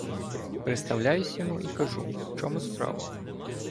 Представляюся йому і кажу, в чому справа.